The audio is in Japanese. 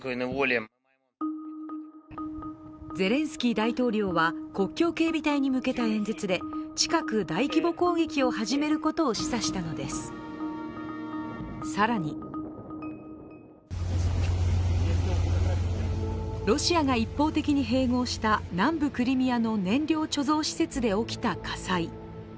ゼレンスキー大統領は、国境警備隊に向けた演説で近く大規模攻撃を始めることを示唆したのです、更にロシアが一方的に併合した南部クリミアの燃料貯蔵施設で起きた火災。